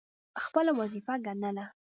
خپله وظیفه ګڼله.